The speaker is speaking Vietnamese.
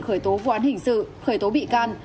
khởi tố vụ án hình sự khởi tố bị can